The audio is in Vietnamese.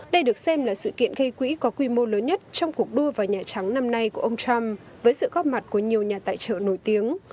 đây được xem là sự kiện gây quỹ có quy mô lớn nhất trong cuộc đua vào nhà trắng năm nay của ông trump với sự góp mặt của nhiều nhà tài trợ nổi tiếng